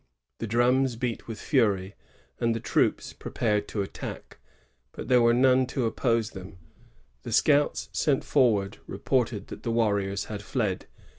The drums beat with fury, and the troops prepared to attack; but there were none to oppose them. The scouts sent forward reported that the warriors had fled.